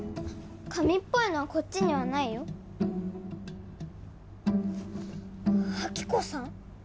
紙っぽいのはこっちにはないよ亜希子さん？